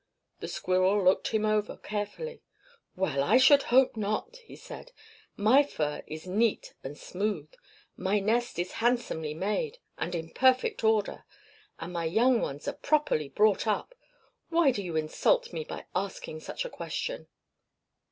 The squirrel looked him over carefully. "Well, I should hope not!" he said. "My fur is neat and smooth, my nest is handsomely made, and in perfect order, and my young ones are properly brought up. Why do you insult me by asking such a question?"